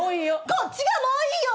こっちがもういいよ！